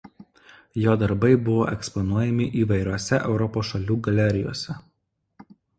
Jo darbai buvo eksponuojami įvairiose Europos šalių galerijose.